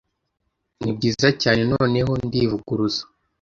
Nibyiza cyane noneho ndivuguruza,